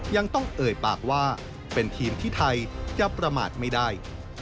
ยังต้องเอ่ยปากว่าเป็นทีมที่ไทยจะประมาทไม่ได้